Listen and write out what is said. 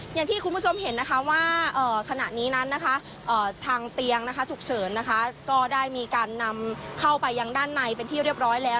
อย่างที่คุณผู้ชมเห็นนะคะว่าขณะนี้นั้นนะคะทางเตียงนะคะฉุกเฉินนะคะก็ได้มีการนำเข้าไปยังด้านในเป็นที่เรียบร้อยแล้ว